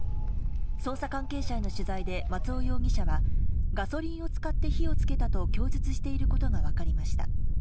捜査関係者への取材で松尾容疑者はガソリンを使って火をつけたと供述していることがわかりました。